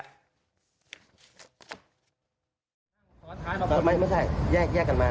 ตอนท้ายบอกว่าไม่ไม่ใช่แยกกันมา